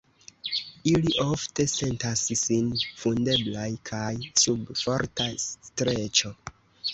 Ili ofte sentas sin vundeblaj kaj sub forta streĉo.